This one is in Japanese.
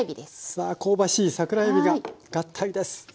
さあ香ばしい桜えびが合体です。